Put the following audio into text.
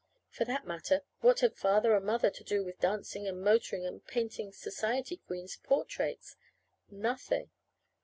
For that matter, what had Father and Mother to do with dancing and motoring and painting society queens' portraits? Nothing.